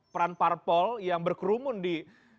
peran parpol yang berkerumun di